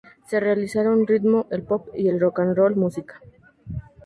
Se realizaron ritmo, el pop y el rock 'n' roll música.